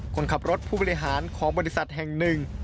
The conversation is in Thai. คนขับรถผู้บริหารของบริษัทแห่งหนึ่ง